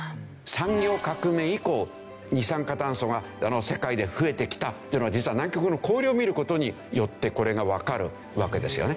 産業革命以降二酸化炭素が世界で増えてきたっていうのは実は南極の氷を見る事によってこれがわかるわけですよね。